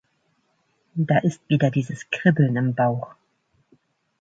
Da ist wieder dieses Kribbeln im Bauch.